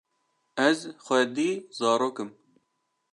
ez xwedî zarok im